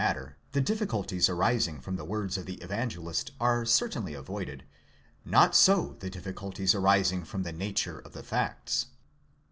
18r the difficulties arising from the words of the Evangelist are certainly avoided ; not so, the difficulties arising from the nature of the facts.